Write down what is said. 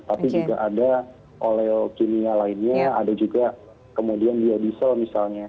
tapi juga ada oleokimia lainnya ada juga kemudian biodiesel misalnya